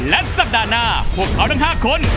และสัปดาห์หน้าพวกเขาทั้ง๕คน